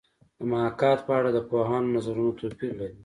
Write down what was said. د محاکات په اړه د پوهانو نظرونه توپیر لري